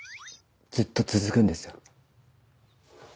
ずっと続くんですよ。